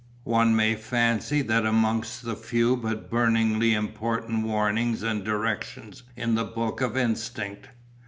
One may fancy that amongst the few but burningly important warnings and directions in the book of Instinct.